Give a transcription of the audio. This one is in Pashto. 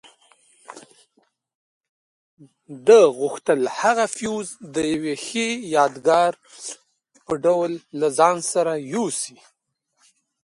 ده غوښتل هغه فیوز د یوې ښې یادګار په ډول له ځان سره یوسي.